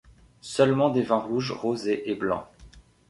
Seulement des vins rouge, rosé et blanc.